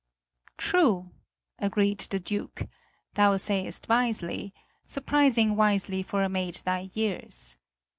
"True," agreed the Duke. "Thou sayest wisely, surprising wisely for a maid thy years.